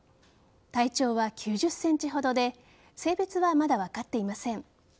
体長は９０ｃｍほどで性別は、まだ分かっていません。